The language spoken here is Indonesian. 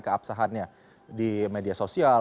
keapsahannya di media sosial